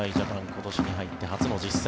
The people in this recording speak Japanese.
今年に入って初の実戦。